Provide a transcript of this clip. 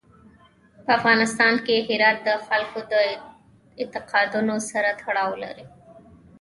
په افغانستان کې هرات د خلکو د اعتقاداتو سره تړاو لري.